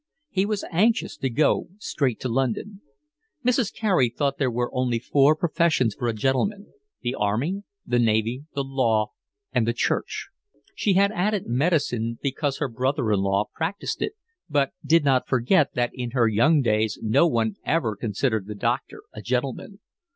He was anxious to go straight to London. Mrs. Carey thought there were only four professions for a gentleman, the Army, the Navy, the Law, and the Church. She had added medicine because her brother in law practised it, but did not forget that in her young days no one ever considered the doctor a gentleman.